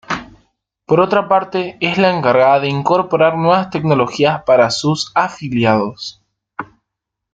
Por otra parte, es la encargada de incorporar nuevas tecnologías para sus afiliados.